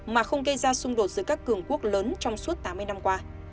mà không gây ra xung đột giữa các cường quốc lớn trong suốt tám mươi năm qua